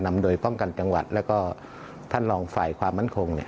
นำโดยป้องกันจังหวัดแล้วก็ท่านรองฝ่ายความมั่นคง